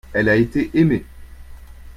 elle a été aimée.